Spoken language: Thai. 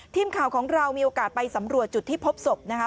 ทีมข่าวของเรามีโอกาสไปสำรวจจุดที่พบศพนะคะ